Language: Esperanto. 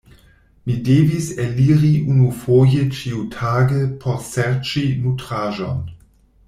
Mi devis eliri unufoje ĉiutage por serĉi nutraĵon.